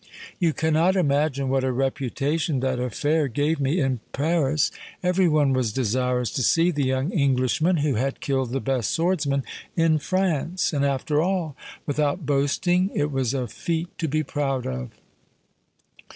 You cannot imagine what a reputation that affair gave me in Paris. Every one was desirous to see the young Englishman who had killed the best swordsman in France. And, after all, without boasting, it was a feat to be proud of."